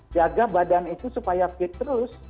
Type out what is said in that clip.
jaga badan itu supaya fit terus